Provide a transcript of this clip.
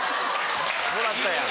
もらったやん。